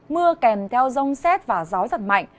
mưa kèm theo rông xét và gió giật mạnh